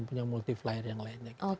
punya multiplier yang lain